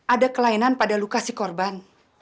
ada kelainan pada luka si korban